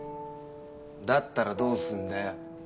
だったらどうすんだよ？